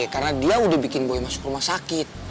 karena dia udah bikin boy masuk rumah sakit